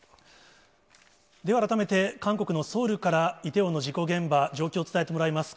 では、改めて韓国のソウルからイテウォンの事故現場、状況を伝えてもらいます。